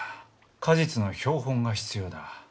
果実の標本が必要だ。